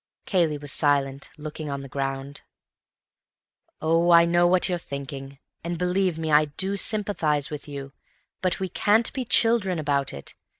Cayley was silent, looking on the ground. "Oh, I know what you're thinking, and believe me I do sympathize with you, but we can't be children about it.